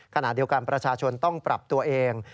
ขณะเดียวกันประชาชนต้องปรับตัวเอง